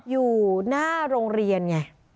อยู่หน้าโรงเรียนไง